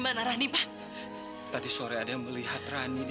jangan buat kesalahan lagi ma jangan